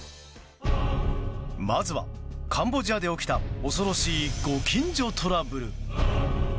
まずは、カンボジアで起きた恐ろしいご近所トラブル。